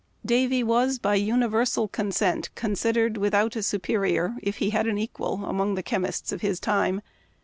Davy was, by universal consent, considered without a su perior, if he had an equal, among the chemists of his time.